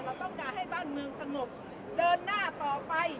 เราต้องการให้บ้านเมืองสงบเดินหน้าต่อไป